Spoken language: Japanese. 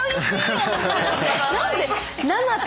何で。